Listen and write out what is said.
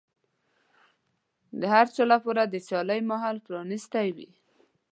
د هر چا لپاره د سيالۍ ماحول پرانيستی وي.